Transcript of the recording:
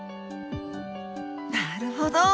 なるほど！